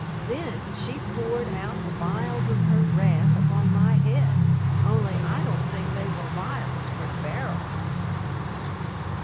Then she poured out the vials of her wrath upon my head, only I don't think they were vials but barrels.